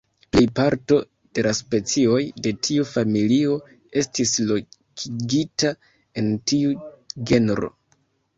Plej parto de la specioj de tiu familio estis lokigita en tiu genro.